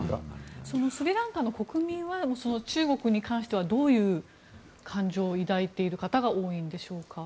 スリランカの国民は中国に関してはどういう感情を抱いている方が多いんでしょうか。